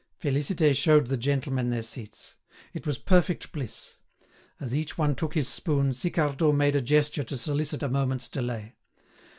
Félicité showed the gentlemen their seats. It was perfect bliss. As each one took his spoon, Sicardot made a gesture to solicit a moment's delay.